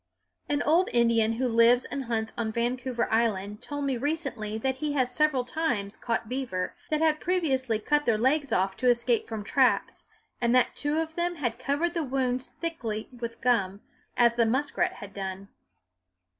An old Indian who lives and hunts on Vancouver Island told me recently that he has several times caught beaver that had previously cut their legs off to escape from traps, and that two of them had covered the wounds thickly with gum, as the muskrat had done.